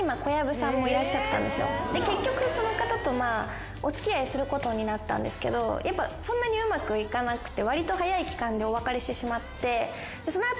で結局その方とお付き合いすることになったんですけどやっぱそんなにうまくいかなくて。